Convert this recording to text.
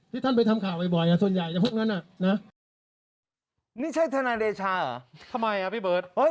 ที่ท่านไปทำข่าวใหญ่ส่วนใหญ่พวกนั้นครับ